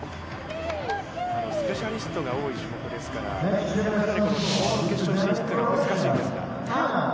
スペシャリストが多い種目ですから特に跳馬の決勝進出には難しいんですが。